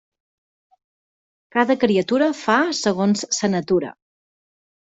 Cada criatura fa segons sa natura.